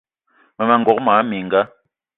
Mmema n'gogué mona mininga